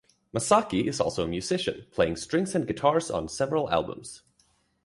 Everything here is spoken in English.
Masaki is also a musician, playing strings and guitars on several albums.